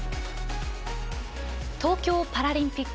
東京パラリンピック